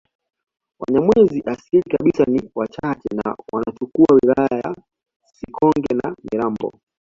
Wanyamwezi asili kabisa ni wachache na wanachukua wilaya ya Sikonge na Mirambo